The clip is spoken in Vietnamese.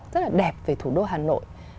rất là đẹp về thủ đô hà nội